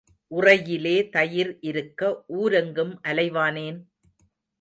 உறியிலே தயிர் இருக்க ஊர் எங்கும் அலைவானேன்?